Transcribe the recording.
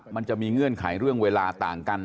มันจะมีเงื่อนไขเรื่องเวลาต่างกัน